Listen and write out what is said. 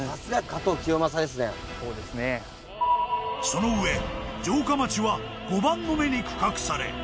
［その上城下町は碁盤の目に区画され